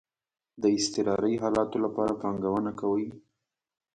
د اضطراری حالاتو لپاره پانګونه کوئ؟